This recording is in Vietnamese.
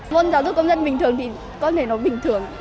môn giáo dục công dân bình thường thì con thấy nó bình thường